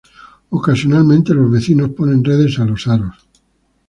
Ocasionalmente los vecinos ponen redes a los aros.